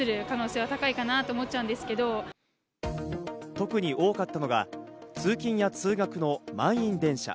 特に多かったのが、通勤や通学の満員電車。